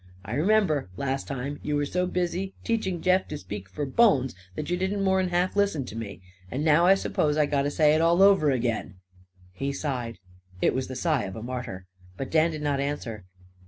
I remember, last time, you were so busy teaching Jeff to speak for bones that you didn't more'n half listen to me. And now I s'pose I got to say it all over again." He sighed. It was the sigh of a martyr. But Dan did not answer.